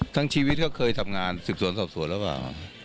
ชีวิตก็เคยทำงานสืบสวนสอบสวนหรือเปล่า